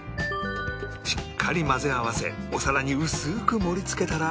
しっかり混ぜ合わせお皿に薄く盛り付けたら